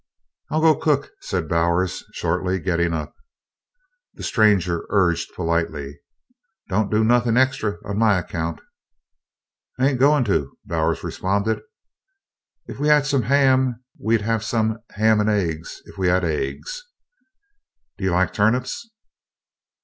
"I'll go cook," said Bowers shortly, getting up. The stranger urged politely: "Don't do nothin' extry on my account." "I ain't goin' to," Bowers responded. "If we had some ham we'd have some ham and eggs if we had eggs. Do you like turnips?"